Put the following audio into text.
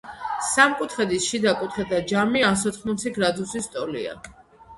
სამკუთხედის შიდა კუთხეთა ჯამი ასოთხმოცი გრადუსის ტოლია.